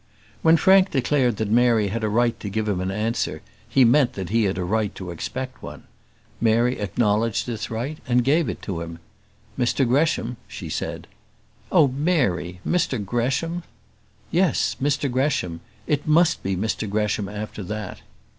When Frank declared that Mary had a right to give him an answer, he meant that he had a right to expect one. Mary acknowledged this right, and gave it to him. "Mr Gresham," she said. "Oh, Mary; Mr Gresham!" "Yes, Mr Gresham. It must be Mr Gresham after that.